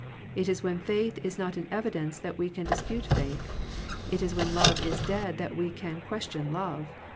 It is when faith is not in evidence that we can dis pute faith. It is when love is dead that we can question love.